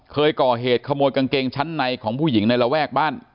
เคยก่อเหตุขโมยกางเกงชั้นในของผู้หญิงในระแวกบ้าน